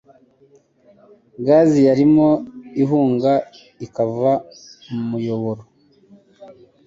Gazi yarimo ihunga ikava mu muyoboro.